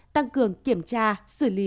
tăng cường kiểm tra xử lý